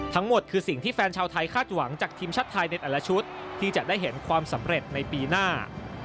ทั้งหมดคือสิ่งที่แฟนชาวไทยคาดหวังจากทีมชาติไทยในแต่ละชุดที่จะได้เห็นความสำเร็จในปีหน้า